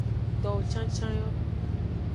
Towo cancan yo.